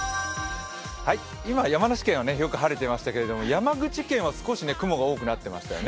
今、山梨県はよく晴れていましたけど、山口県は少し雲が多くなっていましたよね。